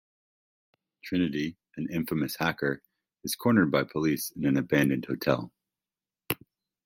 Trinity, an infamous hacker, is cornered by police in an abandoned hotel.